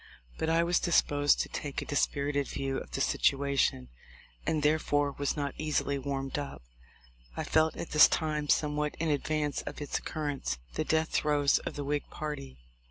But I was disposed to take a dispirited view of the situation, and there fore was not easily warmed up. I felt at this time, THE LIFE OF LINCOLN. 285 somewhat in advance of its occurrence, the death throes of the Whig party.